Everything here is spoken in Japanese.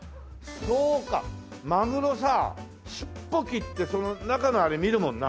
そうかマグロさ尻尾切って中のあれ見るもんな。